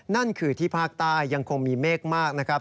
นั่นคือที่ภาคใต้ยังคงมีเมฆมากนะครับ